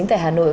ở hà nội